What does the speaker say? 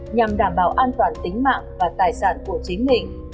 nhằm đảm bảo an toàn tính mạng và tài sản của chính mình